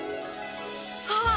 あ！